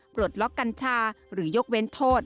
ปลดล็อกกัญชาหรือยกเว้นโทษ